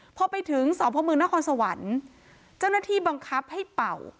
พอไปถึงสพมนครสวรรค์เจ้าหน้าที่บังคับให้เป่า